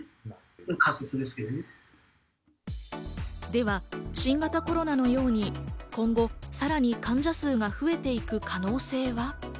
では新型コロナのように、今後さらに患者数が増えていく可能性は？